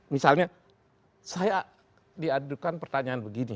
misalnya saya diadukan pertanyaan begini